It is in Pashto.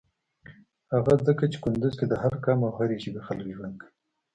هغه ځکه چی کندوز کی د هر قام او هری ژبی خلک ژوند کویی.